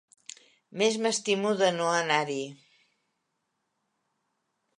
Més m'estimo de no anar-hi.